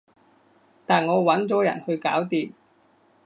但我搵咗人去搞掂